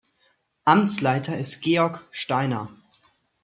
Amtsleiter ist Georg Steiner.